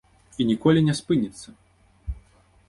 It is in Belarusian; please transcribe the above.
І ніколі не спыняцца.